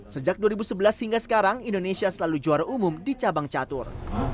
sejak dua ribu sebelas hingga sekarang indonesia selalu juara umum di cabang catur